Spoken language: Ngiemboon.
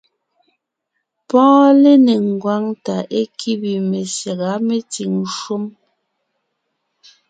Pɔ́ɔn lénéŋ ngwáŋ tà é kíbe mezyága metsìŋ shúm.